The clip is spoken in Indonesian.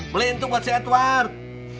beli itu buat si edward